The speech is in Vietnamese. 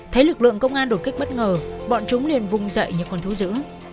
thấy lực lượng công an đột kích bất ngờ bọn chúng liền vùng dậy như con thú giữ